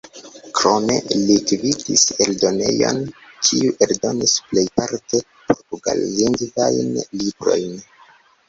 Krome li gvidis eldonejon, kiu eldonis plejparte portugallingvajn librojn.